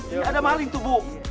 ini ada maling tuh bu